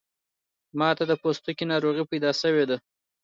ماته د پوستکی ناروغۍ پیدا شوی ده